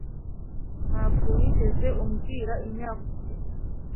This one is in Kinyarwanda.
Ntabwo wigeze umbwira imyaka ufite.